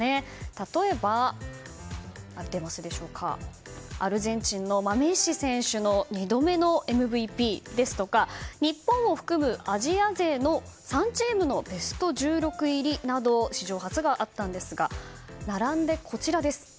例えばアルゼンチンのメッシ選手の２度目のＭＶＰですとか日本を含むアジア勢の３チームのベスト１６入りなど史上初があったんですが並んで、こちら。